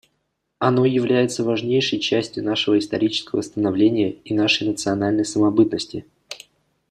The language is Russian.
Оно является важнейшей частью нашего исторического становления и нашей национальной самобытности.